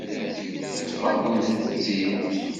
Teṭṭef-akent-tt-id.